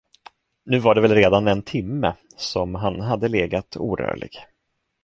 Nu var det väl redan en timme, som han hade legat orörlig.